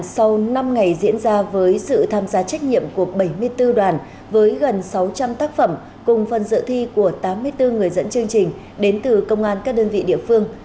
sau năm ngày diễn ra với sự tham gia trách nhiệm của bảy mươi bốn đoàn với gần sáu trăm linh tác phẩm cùng phần dự thi của tám mươi bốn người dẫn chương trình đến từ công an các đơn vị địa phương